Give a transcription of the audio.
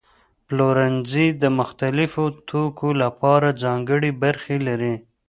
پلورنځي د مختلفو توکو لپاره ځانګړي برخې لري.